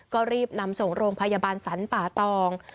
ก็รีบนำส่งโรงพยาบาลสรรป่าตอง